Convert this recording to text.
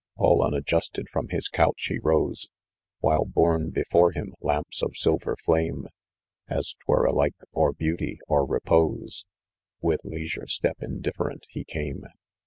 All unadjusted from his couch he rose : While borne before him lamps of silver flame, As 'twere alike, or beauty, or repose, "With leisure step, indifferent he came.